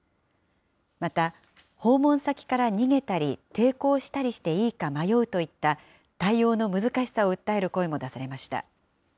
また、訪問先から逃げたり、抵抗したりしていいか迷うといった、対応の難しさを訴える声も出されました。